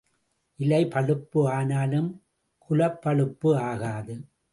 இலைப் பழுப்பு ஆனாலும் குலப்பழுப்பு ஆகாது.